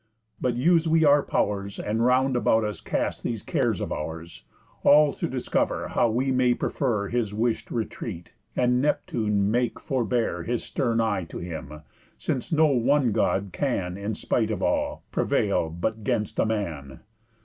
But use we our pow'rs, And round about us cast these cares of ours, All to discover how we may prefer His wish'd retreat, and Neptune make forbear His stern eye to him, since no one God can, In spite of all, prevail, but 'gainst a man."